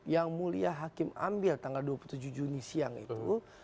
yang mulia hakim ambil tanggal dua puluh tujuh juni siang itu